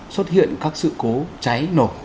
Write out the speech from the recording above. xuất hiện các sự cố cháy nổ